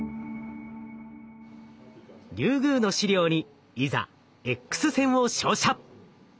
リュウグウの試料にいざＸ線を照射！